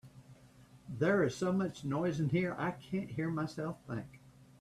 There is so much noise in here, I can't hear myself think.